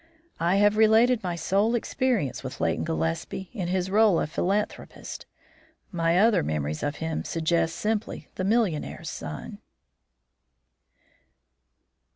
"I have related my sole experience with Leighton Gillespie in his rôle of philanthropist. My other memories of him suggest simply the millionaire's son."